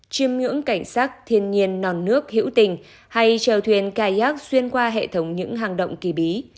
chiêm ngưỡng cảnh sát thiên nhiên nòn nước hữu tình hay trèo thuyền kayac xuyên qua hệ thống những hàng động kỳ bí